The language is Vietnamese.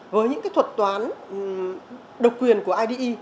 với những cái thuật toán độc quyền của ide